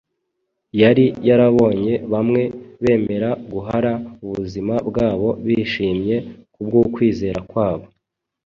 Yari yarabonye bamwe bemera guhara ubuzima bwabo bishimye kubw’ukwizera kwabo.